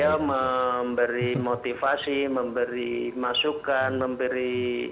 beliau memberi motivasi memberi masukan memberi